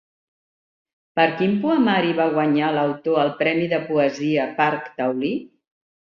Per quin poemari va guanyar l'autor el Premi de Poesia Parc Taulí?